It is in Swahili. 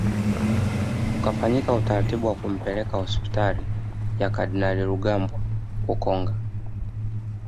Ukafanyika utaratibu wa kumpeleka hospitali ya kardinali Rugambwa ukonga